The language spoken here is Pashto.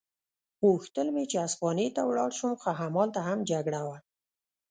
غوښتل مې چې هسپانیې ته ولاړ شم، خو همالته هم جګړه وه.